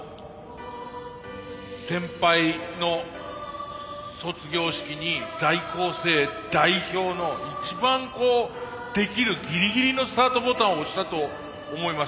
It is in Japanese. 先輩の卒業式に在校生代表の一番できるギリギリのスタートボタンを押したと思います。